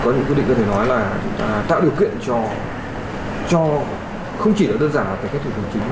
có những quy định có thể nói là chúng ta tạo điều kiện cho không chỉ là đơn giản là cái kết thúc hành chính